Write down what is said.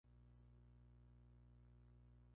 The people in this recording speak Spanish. Esto ha sido un continuo, las cosas se han ido acumulando".